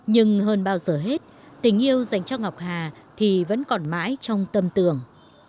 nhưng hơn bao giờ hết tình yêu dành cho ngọc hà thì vẫn còn mãi trong tâm tưởng